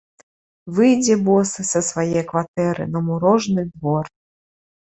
Выйдзе босы са свае кватэры на мурожны двор.